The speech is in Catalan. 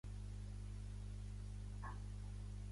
'Dilluns' en valencià es lletreja: de, i, ele, ele, u, ene, esse.